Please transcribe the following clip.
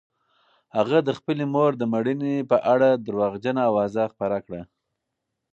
هغه د خپلې مور د مړینې په اړه درواغجنه اوازه خپره کړه.